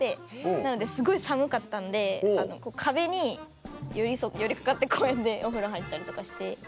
なのですごい寒かったんで壁に寄り掛かってこうやってお風呂入ったりとかして。